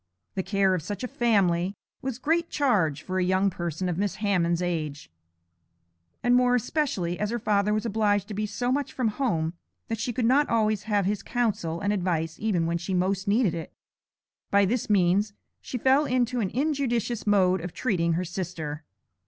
The care of such a family was a great charge for a young person of Miss Hammond's age, and more especially as her father was obliged to be so much from home that she could not always have his counsel and advice even when she most needed it. By this means she fell into an injudicious mode of treating her sister.